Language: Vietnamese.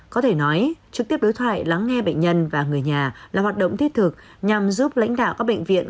có thể nói trực tiếp đối thoại lắng nghe bệnh nhân và người nhà là hoạt động thiết thực nhằm giúp lãnh đạo các bệnh viện